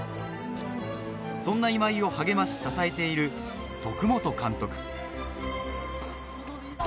そんな今井を励まし、支えている徳本監督。